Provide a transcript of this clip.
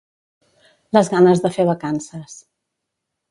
Les ganes de fer vacances